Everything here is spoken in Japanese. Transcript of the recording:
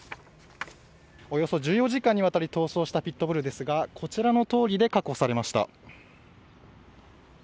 およそ１４時間にわたり逃走したピット・ブルですがこちらの通りで確保されました。